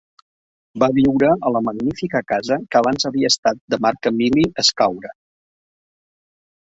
Va viure a la magnífica casa que abans havia estat de Marc Emili Escaure.